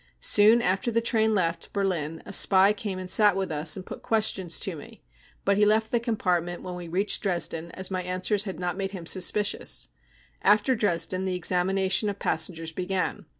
Soon after the train left Berlin a spy came and sat with us and put questions to me, but he left the compartment when we reached Dresden as my answers had not made him suspicious. After Dresden the examination of passengers began.